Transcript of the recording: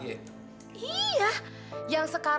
iya yang sekarang kan kan